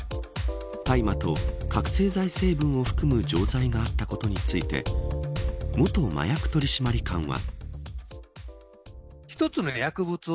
大麻と、覚せい剤成分を含む錠剤があったことについて元麻薬取締官は。